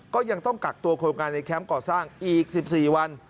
ก็ยังต้องกักตัวคนงานในแคมป์ก่อสร้างอีก๑๔วัน